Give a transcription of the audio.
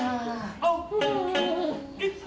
あっ。